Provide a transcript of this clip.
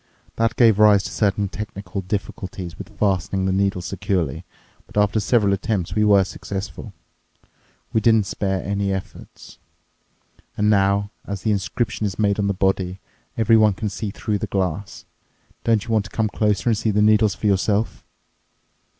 That gave rise to certain technical difficulties with fastening the needles securely, but after several attempts we were successful. We didn't spare any efforts. And now, as the inscription is made on the body, everyone can see through the glass. Don't you want to come closer and see the needles for yourself."